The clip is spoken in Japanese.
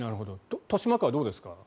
豊島区はどうですか？